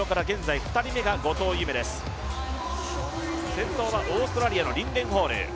先頭はオーストラリアのリンデン・ホール。